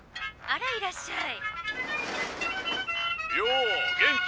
「あらいらっしゃい」。